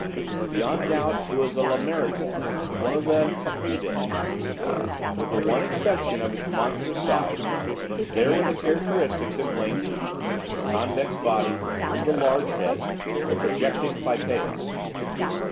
Beyond doubt it was a lamellicorn, one of the copridae. With the one exception of its monstrous size, there were the characteristics in plain view; the convex body, the large head, the projecting clypeus.